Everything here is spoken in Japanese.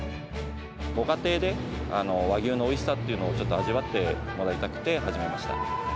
ご家庭で和牛のおいしさっていうのを味わってもらいたくて、始めました。